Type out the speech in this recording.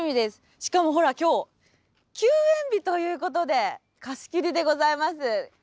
しかもほら今日休園日ということで貸し切りでございます。